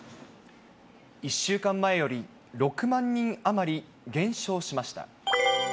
１週間前より６万人余り減少しました。